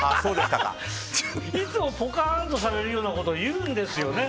いつもポカンとされるようなことを言うんですよね。